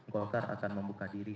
golkar akan membuka diri